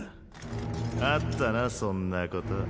あったなそんなこと。